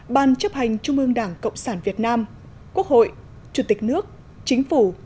ban chấp hành trung ương đảng cộng sản việt nam quốc hội chủ tịch nước chính phủ